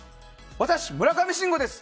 私、村上信五です